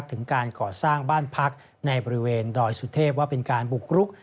ถึงการก่อสร้างบ้านพักในบริเวณดอยสุเทพว่าเป็นการบุกรุก